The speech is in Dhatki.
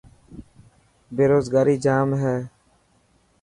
بيروزگاري ڄام هي.